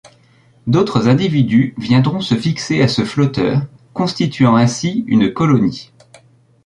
D'autres individus viendront se fixer à ce flotteur, constituant ainsi une colonie.